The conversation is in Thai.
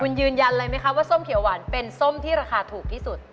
คุณยืนยันเลยไหมคะว่าส้มเขียวหวานเป็นส้มที่ราคาถูกที่สุด